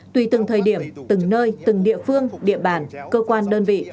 tùy từng thời điểm từng nơi từng địa phương địa bàn cơ quan đơn vị